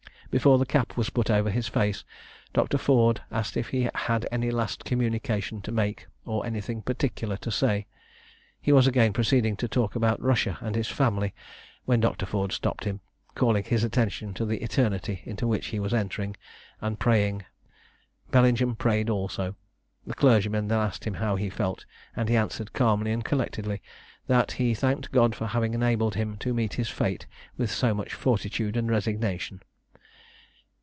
Before the cap was put over his face, Dr. Ford asked if he had any last communication to make, or anything particular to say. He was again proceeding to talk about Russia and his family, when Dr. Ford stopped him, calling his attention to the eternity into which he was entering; and praying, Bellingham prayed also. The clergyman then asked him how he felt; and he answered calmly and collectedly, that "he thanked God for having enabled him to meet his fate with so much fortitude and resignation."